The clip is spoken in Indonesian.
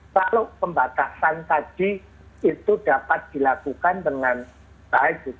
kalau pembatasan tadi itu dapat dilakukan dengan baik